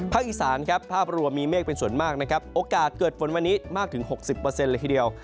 อีสานครับภาพรวมมีเมฆเป็นส่วนมากนะครับโอกาสเกิดฝนวันนี้มากถึง๖๐เลยทีเดียว